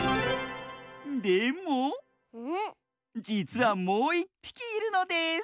でもじつはもういっぴきいるのです！